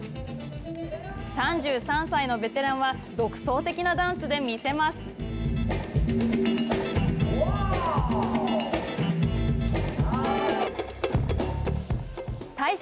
３３歳のベテランは独創的なダンスで見せます。